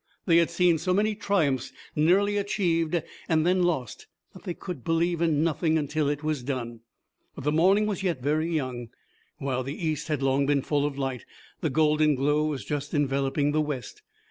They had seen so many triumphs nearly achieved and then lost that they could believe in nothing until it was done. But the morning was yet very young. While the east had long been full of light, the golden glow was just enveloping the west.